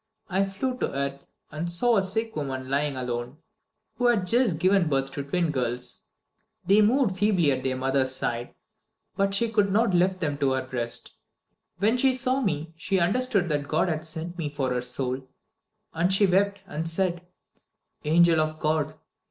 I flew to earth, and saw a sick woman lying alone, who had just given birth to twin girls. They moved feebly at their mother's side, but she could not lift them to her breast. When she saw me, she understood that God had sent me for her soul, and she wept and said: 'Angel of God!